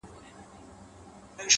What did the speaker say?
روښانه ذهن د ګډوډۍ لاره بندوي.!